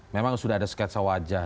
memang sudah ada sketsa wajah